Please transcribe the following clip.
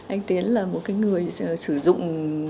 anh tiến là một người sử dụng